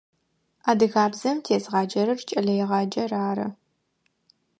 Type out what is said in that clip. Адыгабзэм тезгъаджэрэр кӏэлэегъаджэр ары.